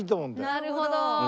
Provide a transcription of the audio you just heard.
なるほど。